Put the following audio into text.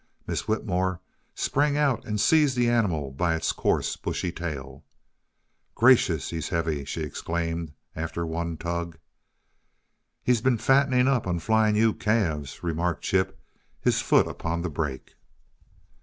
Miss Whitmore sprang out and seized the animal by its coarse, bushy tail. "Gracious, he's heavy!" she exclaimed, after one tug. "He's been fattening up on Flying U calves," remarked Chip, his foot upon the brake.